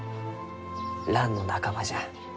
ランの仲間じゃ。